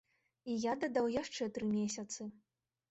І я дадаў яшчэ тры месяцы.